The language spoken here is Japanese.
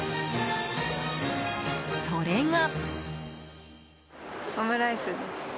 それが。